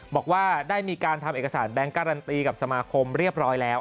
บอกว่าได้มีการทำเอกสารแบงค์การันตีกับสมาคมเรียบร้อยแล้ว